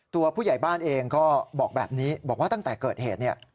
ตัวผู้ใหญ่บ้านเองก็บอกแบบนี้บอกว่าตั้งแต่เกิดเหตุเนี่ย